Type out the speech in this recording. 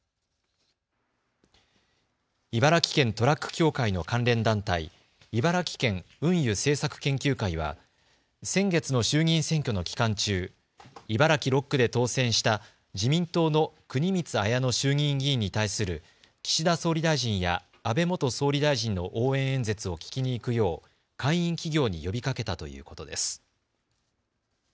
茨城県トラック協会の関連団体、茨城県運輸政策研究会は先月の衆議院選挙の期間中、茨城６区で当選した自民党の国光文乃衆議院議員に対する岸田総理大臣や安倍元総理大臣の応援演説を聴きに行くよう会員企業に呼びかけたということです。